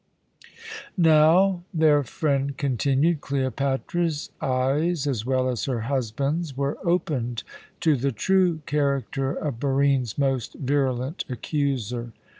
Now, their friend continued, Cleopatra's eyes as well as her husband's were opened to the true character of Barine's most virulent accuser.